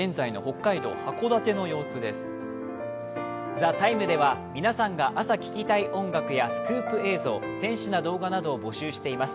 「ＴＨＥＴＩＭＥ，」では皆さんが朝聴きたい音楽やスクープ映像天使な動画などを募集しています。